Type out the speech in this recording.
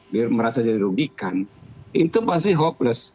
dia merasa dirugikan itu pasti hopeless